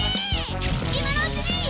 今のうちに。